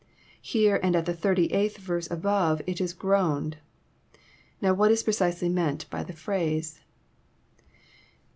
Here, and at the thirty eighth verse above, it is *' groaned. Now what is precisely meant by the phrase